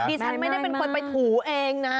ดิฉันไม่ได้เป็นคนไปถูเองนะ